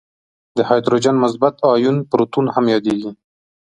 د هایدروجن مثبت آیون پروتون هم یادیږي.